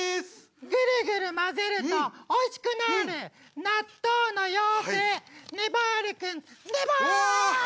ぐるぐる混ぜるとおいしくなる納豆の妖精ねばる君ねば！